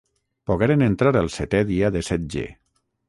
Pogueren entrar el setè dia de setge.